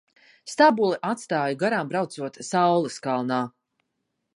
Stabuli atstāju garām braucot saules kalnā.